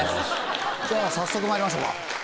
じゃあ早速まいりましょうか。